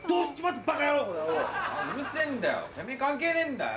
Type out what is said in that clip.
てめぇに関係ねえんだよ。